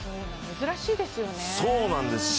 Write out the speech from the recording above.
珍しいですよね。